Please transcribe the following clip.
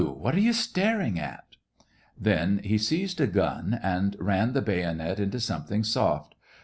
what are you staring at !" Then he seized a gun, and ran the bayonet into something soft.